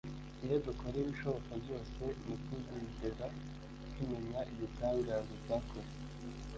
Iyo dukora ibishoboka byose, ntituzigera tumenya igitangaza cyakozwe